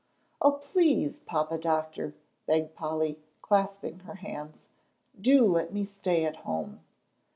"Oh, please, papa Doctor," begged Polly, clasping her hands, "do let me stay at home."